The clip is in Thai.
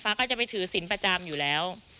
ก็จะไปถือศิลป์ประจำอยู่แล้ว